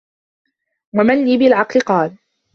وَمَنْ لِي بِالْعَقْلِ ؟ قَالَ